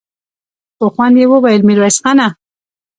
په خوند يې وويل: ميرويس خانه!